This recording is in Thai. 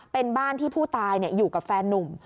เป็นบ้านที่ผู้ตายอยู่กับแฟนนุ่ม